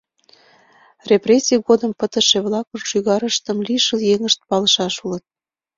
Репрессий годым пытыше-влакын шӱгарыштым лишыл еҥышт палышаш улыт.